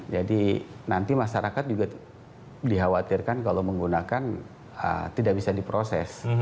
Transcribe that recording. jadi nanti masyarakat juga dikhawatirkan kalau menggunakan tidak bisa diproses